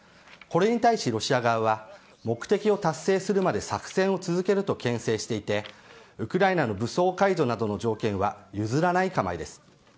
これに対しロシア側は目的を達成するまで作戦を続けるとけん制していてウクライナの武装解除などの条件は譲らない構えです。